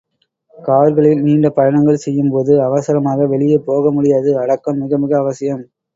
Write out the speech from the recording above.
கார்களில் நீண்ட பயணங்கள் செய்யும்போதும் அவசரமாக வெளியே போகமுடியாது அடக்கம் மிக மிக அவசியம்.